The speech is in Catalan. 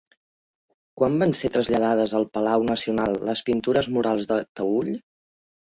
Quan van ser traslladades al Palau Nacional les pintures murals de Taüll?